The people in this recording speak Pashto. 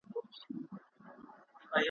بد مرغۍ وي هغه ورځ وطن وهلی `